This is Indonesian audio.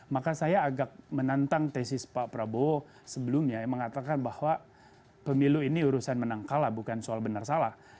maka saya agak menantang tesis pak prabowo sebelumnya yang mengatakan bahwa pemilu ini urusan menang kalah bukan soal benar salah